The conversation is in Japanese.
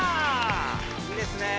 いいですねぇ。